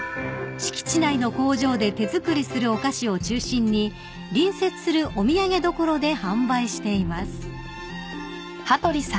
［敷地内の工場で手作りするお菓子を中心に隣接するお土産どころで販売しています］